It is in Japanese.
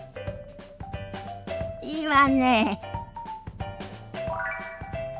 いいわね。